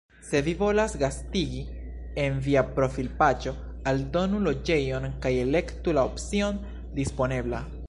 Se vi volas gastigi, en via profilpaĝo aldonu loĝejon kaj elektu la opcion "Disponebla".